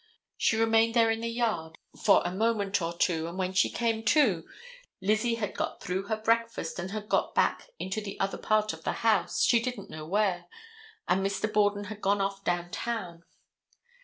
She remained there in the yard for a moment or two, and when she came to, Lizzie had got through her breakfast and had got back into the other part of the house, she didn't know where, and Mr. Borden had gone off down town.